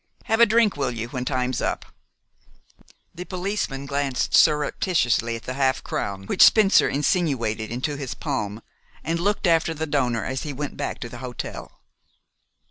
Have a drink, will you, when time's up?" The policeman glanced surreptitiously at the half crown which Spencer insinuated into his palm, and looked after the donor as he went back to the hotel.